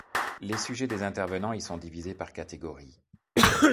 Les sujets des intervenants y sont divisés par catégories.